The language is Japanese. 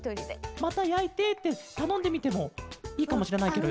「またやいて」ってたのんでみてもいいかもしれないケロよね。